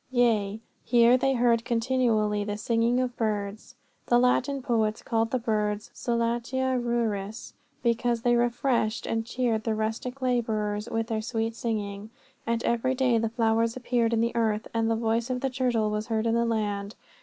Yea, here they heard continually the singing of birds. (The Latin poets called the birds solatia ruris, because they refreshed and cheered the rustic labourers with their sweet singing.) And every day the flowers appeared in the earth, and the voice of the turtle was heard in the land.